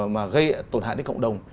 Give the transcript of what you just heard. mà gây tổn hại đến cộng đồng